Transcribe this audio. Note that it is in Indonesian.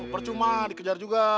percuma dikejar juga